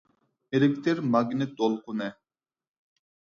ئېلېكتىر ماگنىت دولقۇنى